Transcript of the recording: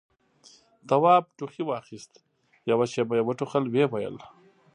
تواب ټوخي واخيست، يوه شېبه يې وټوخل، ويې ويل: